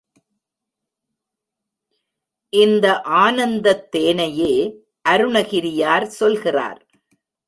இந்த ஆனந்தத் தேனையே அருணகிரியார் சொல்கிறார்.